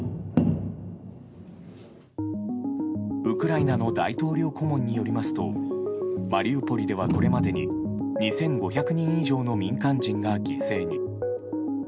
ウクライナの大統領顧問によりますとマリウポリでは、これまでに２５００人以上の民間人が犠牲に。